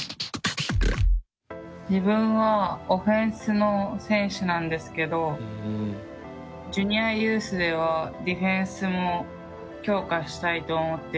自分はオフェンスの選手なんですけどジュニアユースではディフェンスも強化したいと思ってて。